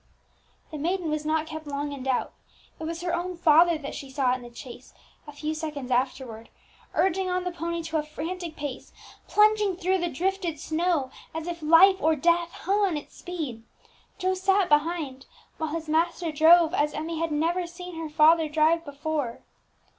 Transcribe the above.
The maiden was not kept long in doubt. It was her own father that she saw in the chaise, a few seconds afterwards, urging on the pony to a frantic pace, plunging through the drifted snow as if life or death hung on its speed! Joe sat behind, while his master drove as Emmie had never seen her father drive before.